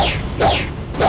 aku harus menolongnya